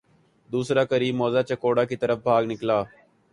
دوسرا قریب موضع چکوڑہ کی طرف بھاگ نکلا۔